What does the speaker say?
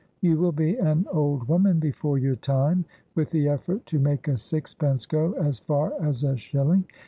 You will be an old woman before your time, with the effort to make a sixpence go as far as a shilling!